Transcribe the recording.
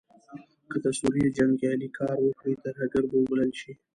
که د سوریې جنګیالې کار وکړي ترهګر به وبلل شي.